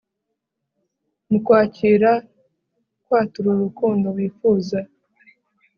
mu kwakira kwatura urukundo wifuza